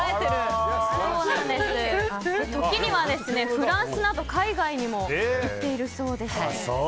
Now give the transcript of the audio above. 時にはフランスなど海外にも行っているそうです。